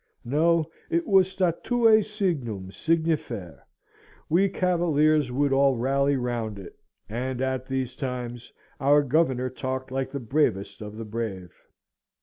No: it was statue signum, signifer! We Cavaliers would all rally round it; and at these times, our Governor talked like the bravest of the brave.